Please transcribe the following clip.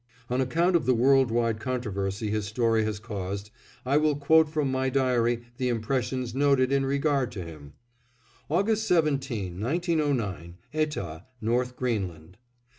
On account of the world wide controversy his story has caused, I will quote from my diary the impressions noted in regard to him: "August 17, 1909, Etah, North Greenland.